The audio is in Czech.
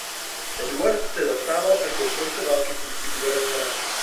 Eduard zde zastával až do konce války funkci guvernéra.